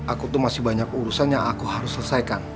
aku tuh masih banyak urusan yang aku harus selesaikan